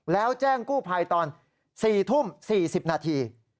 แล้วแจ้งกู้ภัยตอน๔ทุ่ม๔๐นาที